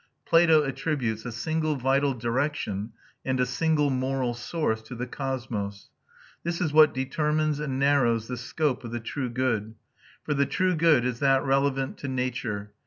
Plato attributes a single vital direction and a single moral source to the cosmos. This is what determines and narrows the scope of the true good; for the true good is that relevant to nature.